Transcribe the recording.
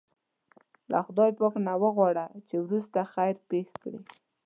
له خدای پاک نه وغواړه چې وروسته خیر پېښ کړي.